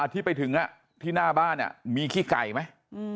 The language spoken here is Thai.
ที่ไปถึงที่หน้าบ้านมีขี้ไก่ไหม